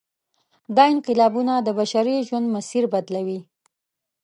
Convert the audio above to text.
دا انقلابونه د بشري ژوند مسیر بدلوي.